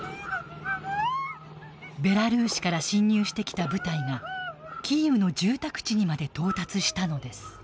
ベラルーシから侵入してきた部隊がキーウの住宅地にまで到達したのです。